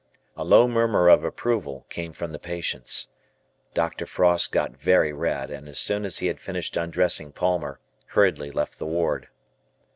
A low murmur of approval came from the patients. Dr. Frost got very red and as soon as he had finished undressing Palmer, hurriedly left the ward.